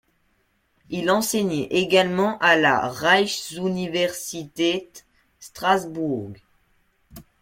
Il enseignait également à la Reichsuniversität Straßburg.